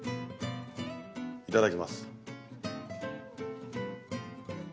いただきます。